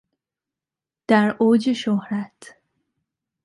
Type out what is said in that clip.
در اوج شهرت